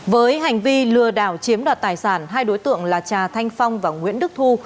với hành vi lừa đảo chiếm đoạt tài sản hai đối tượng là trà thanh phong và nguyễn đức thu